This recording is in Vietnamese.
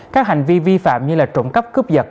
các hành vi vi phạm như là trộm cắp cướp giật